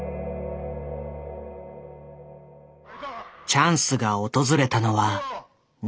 チャンスが訪れたのは２３歳。